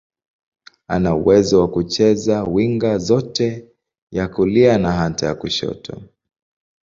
Ana uwezo wa kucheza winga zote, ya kulia na hata ya kushoto.